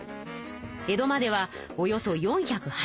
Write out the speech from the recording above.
江戸まではおよそ４８０ｋｍ。